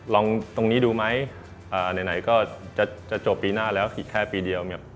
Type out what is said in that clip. ลองตรงนี้ดูไหมไหนก็จะจบปีหน้าแล้วอีกแค่ปีเดียวเนี่ย